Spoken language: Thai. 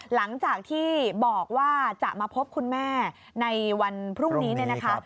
หลังจากที่บอกว่าจะมาพบคุณแม่ในวันพรุ่งนี้เนี่ยนะคะ